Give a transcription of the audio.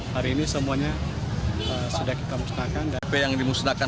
hari ini semuanya sudah kita musnahkan